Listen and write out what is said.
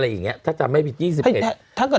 อย่างนี้ถ้าจำไม่ผิด๒๑